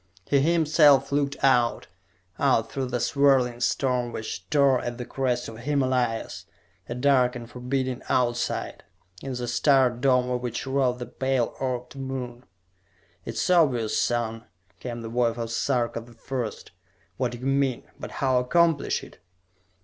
He himself looked out, out through the swirling storm which tore at the crest of the Himalayas, a dark and forbidding Outside, in the starred dome of which rode the pale orbed moon! "It is obvious, son," came the voice of Sarka the First, "what you mean. But how accomplish it?"